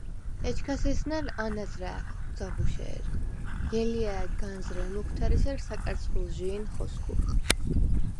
ეჩქას ესნა̈რ ანად რა̄̈ქვ, ძაღუშე̄რ: ჲელია̈ განზრე მუქვთერ ესერ საკარცხვილჟი̄ნ ხოსგურხ.